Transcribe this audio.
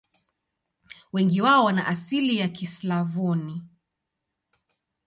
Wengi wao wana asili ya Kislavoni.